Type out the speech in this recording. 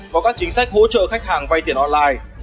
có các chính sách hỗ trợ khách hàng vay tiền online